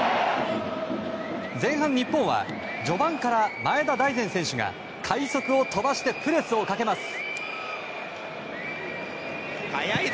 前半、日本は序盤から前田大然選手が快足を飛ばしてプレスをかけます。